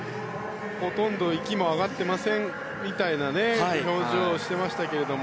ほとんど息も上がってませんみたいな表情をしていましたけれど。